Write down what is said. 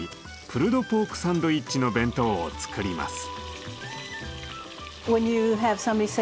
プルドポークサンドイッチの弁当を作ります。